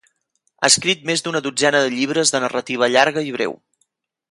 Ha escrit més d'una dotzena de llibres de narrativa llarga i breu.